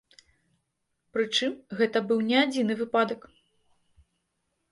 Пры чым гэта быў не адзіны выпадак.